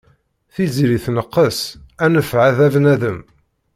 Tiziri tneqqes, anef ɛad a bnadem.